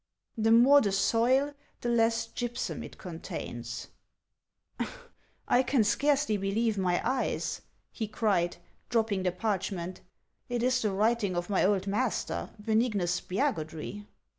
— The more the soil — the less gypsum it contains —"" I can scarcely believe my eyes !" he cried, dropping the parchment ;" it is the writing of my old master, Beniguus Spiagudry